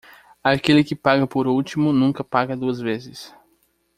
Aquele que paga por último nunca paga duas vezes.